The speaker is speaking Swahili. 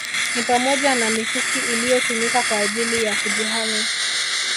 Ni pamoja na mikuki iliyotumika kwa ajili ya kujihami